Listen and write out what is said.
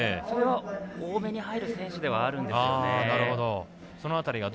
それは、多めに入る選手ではあるんですよね。